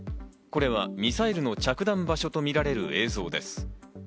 これはミサイルの着弾場所とみられる映像です。